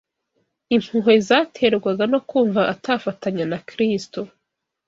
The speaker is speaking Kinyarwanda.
Impuhwe zaterwaga no kumva atafatanya na Kristo